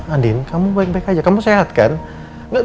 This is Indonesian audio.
andin kamu baik baik aja kamu sehat kan